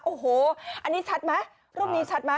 โอ้โหอันนี้ชัดไหมรูปนี้ชัดไหม